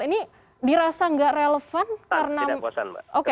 ini dirasa nggak relevan karena oke